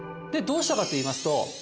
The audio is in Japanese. で、どうしたかといいますと。